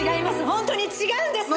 本当に違うんです！